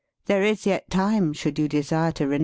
... "There is yet time should you desire to re nounce.